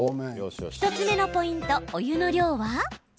１つ目のポイント、お湯の量は？